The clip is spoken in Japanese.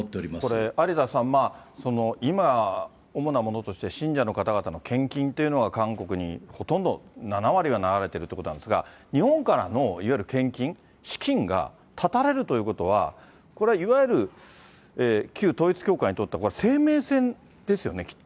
これ有田さん、今、主なものとして、信者の方々の献金というのが韓国にほとんど７割は流れてるということなんですが、日本からのいわゆる献金、資金が絶たれるということは、これはいわゆる、旧統一教会にとって、そうです。